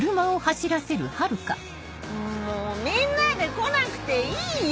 もうみんなで来なくていいよ。